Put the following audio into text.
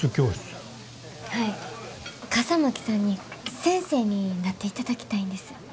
笠巻さんに先生になっていただきたいんです。